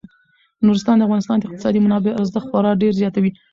نورستان د افغانستان د اقتصادي منابعو ارزښت خورا ډیر زیاتوي.